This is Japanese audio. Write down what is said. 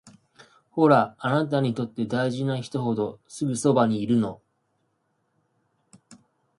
ほら、あなたにとって大事な人ほどすぐそばにいるの